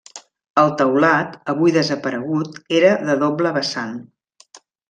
El teulat, avui desaparegut, era de doble vessant.